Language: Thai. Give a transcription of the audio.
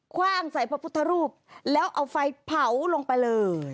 ว่างใส่พระพุทธรูปแล้วเอาไฟเผาลงไปเลย